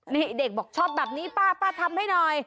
นี่เด็กบอกชอบแบบนี้ป้าป้าทำให้หน่อย